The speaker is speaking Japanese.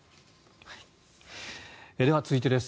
では続いてです。